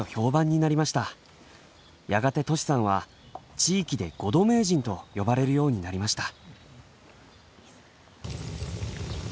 やがてとしさんは地域でごど名人と呼ばれるようになりました。